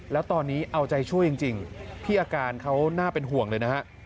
แล้วตอนนี้เอาใจช่วยจริงพี่อาการเขาน่าเป็นห่วงเลยนะฮะ